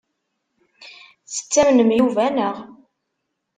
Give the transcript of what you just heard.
Tettamnem Yuba, naɣ?